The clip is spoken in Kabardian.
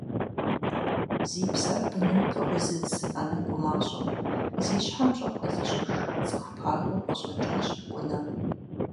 Зи псэр быным пыӏузыдз анэ гумащӏэу, зи щхьэм пщӏэ хуэзыщӏыж цӏыху пагэу къыщӏэкӏащ Кӏунэ.